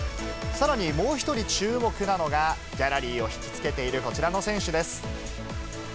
さらにもう１人、注目なのが、ギャラリーを引き付けているこちらの選手です。